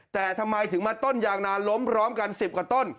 แต่ทำไมถึงมาต้นยางนานล้มพร้อมกัน๑๐กว่าต้น